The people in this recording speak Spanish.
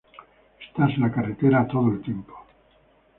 Estás en la carretera todo el tiempo.